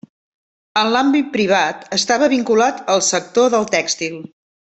En l'àmbit privat estava vinculat al sector del tèxtil.